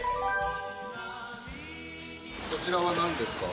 こちらはなんですか？